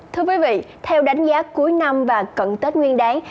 thưa quý vị theo đánh giá cuối năm và cận tết nguyên đáng